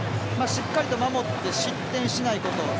しっかりと守って失点しないこと。